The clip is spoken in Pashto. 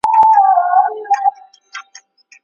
افغانستان به د خپلواکۍ لار ساتي.